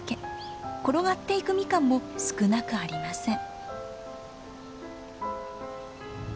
転がっていくミカンも少なくありません。